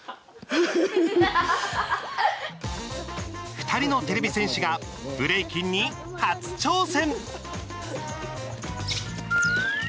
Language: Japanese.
２人のてれび戦士がブレイキンに初挑戦。